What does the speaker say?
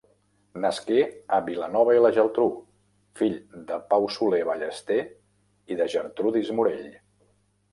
Nasqué a Vilanova i la Geltrú, fill de Pau Soler Ballester i de Gertrudis Morell.